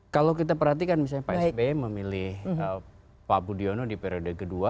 kalau kita perhatikan misalnya pak sby memilih pak budiono di periode kedua